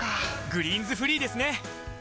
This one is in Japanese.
「グリーンズフリー」ですね！